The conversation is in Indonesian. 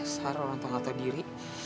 saru orang tanggata diri